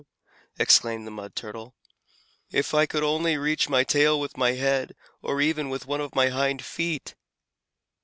"Ah h h!" exclaimed the Mud Turtle, "if I could only reach my tail with my head, or even with one of my hind feet!"